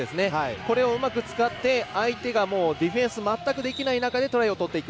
これを、うまく使って相手がディフェンス全くできない中でトライを取っていく。